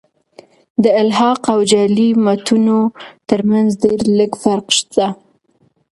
د الحاق او جعلي متونو ترمتځ ډېر لږ فرق سته.